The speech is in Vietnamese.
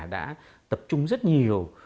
đã tập trung rất nhiều